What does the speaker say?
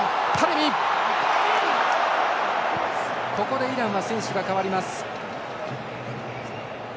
ここでイランは選手が代わります。